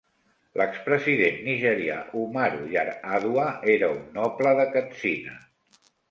L'expresident nigerià Umaru Yar'Adua era un noble de Katsina.